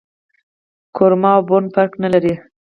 کورمه او بوڼ فرق نه لري